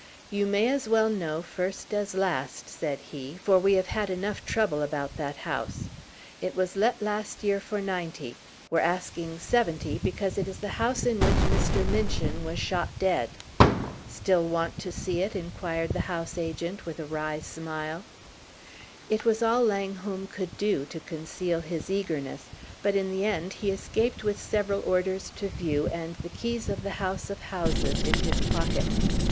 "You may as well know first as last," said he, "for we have had enough trouble about that house. It was let last year for ninety; we're asking seventy because it is the house in which Mr. Minchin was shot dead. Still want to see it?" inquired the house agent, with a wry smile. It was all Langholm could do to conceal his eagerness, but in the end he escaped with several orders to view, and the keys of the house of houses in his pocket.